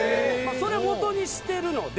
それをもとにしてるので。